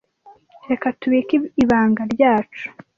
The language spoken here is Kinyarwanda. Reka tubike ibanga ryacu.